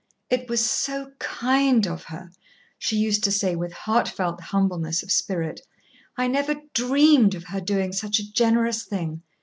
"It was so kind of her," she used to say with heartfelt humbleness of spirit. "I never dreamed of her doing such a generous thing.